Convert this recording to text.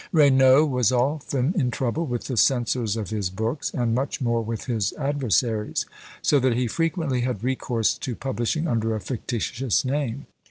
Raynaud was often in trouble with the censors of his books, and much more with his adversaries; so that he frequently had recourse to publishing under a fictitious name.